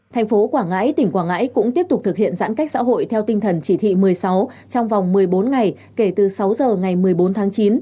thành phố quảng ngãi tỉnh quảng ngãi cũng tiếp tục thực hiện giãn cách xã hội theo tinh thần chỉ thị một mươi sáu trong vòng một mươi bốn ngày kể từ sáu giờ ngày một mươi bốn tháng chín